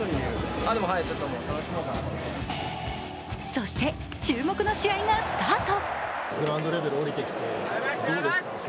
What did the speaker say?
そして、注目の試合がスタート。